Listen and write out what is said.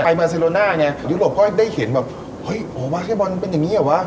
ไปมาเซโรน่าเนี้ยยุโรปก็ได้เห็นแบบเฮ้ยโอ้ววาเซโบนเป็นอย่างเงี้ยวะ